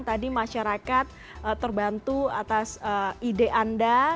tadi masyarakat terbantu atas ide anda